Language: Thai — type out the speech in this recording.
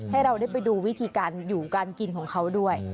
ให้เราได้ไปดูวิธีการอยู่การกินของเขาด้วย